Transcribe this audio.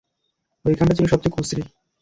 ঐখানটা ছিল সব চেয়ে কুশ্রী।